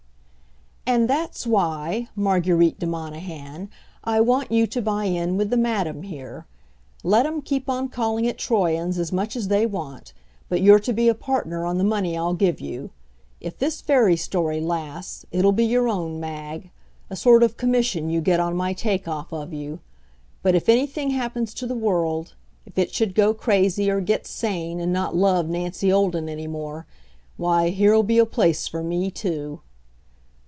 And that's why, Marguerite de Monahan, I want you to buy in with the madam here. Let 'em keep on calling it Troyon's as much as they want, but you're to be a partner on the money I'll give you. If this fairy story lasts, it'll be your own, Mag a sort of commission you get on my take off of you. But if anything happens to the world if it should go crazy, or get sane, and not love Nancy Olden any more, why, here'll be a place for me, too.